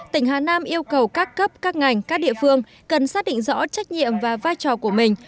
tỉnh hà nam yêu cầu các cấp các ngành các địa phương cần xác định rõ trách nhiệm và vai trò của mình